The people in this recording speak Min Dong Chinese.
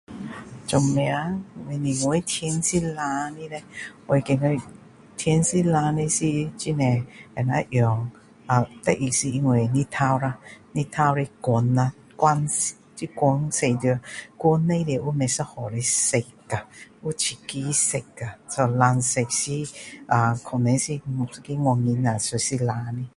为什么能够天是蓝的叻我觉得天是蓝的是能够用日头啦日头的光啦光是光使到光里面有不一样的色啊有七个颜色啊蓝色可能是一个原因啊所以是蓝的